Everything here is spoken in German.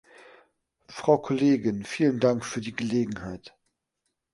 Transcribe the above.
Frau Kollegin, vielen Dank für die Gelegenheit.